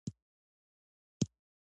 بلکې زما لومړنۍ اوښکې یې ولیدې.